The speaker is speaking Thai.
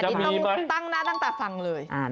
นี่ต้องตั้งหน้าตั้งแต่ฟังเลย